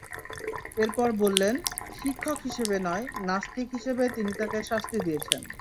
এরপর বললেন, শিক্ষক হিসেবে নয়, নাস্তিক হিসেবে তিনি তাঁকে শাস্তি দিয়েছেন।